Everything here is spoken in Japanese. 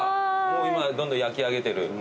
今どんどん焼き上げてる？